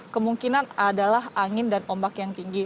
kemungkinan adalah angin dan ombak yang tinggi